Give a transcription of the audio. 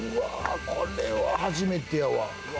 これは初めてやわ。